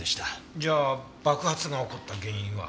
じゃあ爆発が起こった原因は？